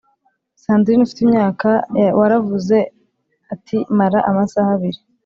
Sandrine ufite imyaka wavuze ati mara amasaha abiri